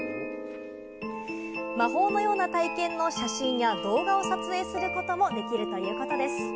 魔法のような体験の写真や動画を撮影することもできるということです。